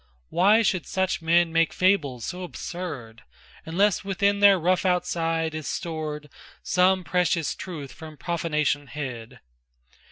Why should such men make fables so absurd Unless within their rough outside is stored Some precious truth from profanation hid?